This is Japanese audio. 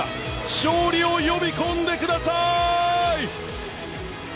勝利を呼び込んでください！